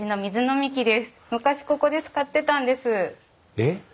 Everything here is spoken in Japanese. えっ？